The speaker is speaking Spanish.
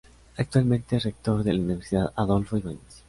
Actualmente es rector de la Universidad Adolfo Ibáñez.